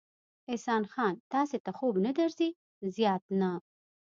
احسان خان، تاسې ته خوب نه درځي؟ زیات نه.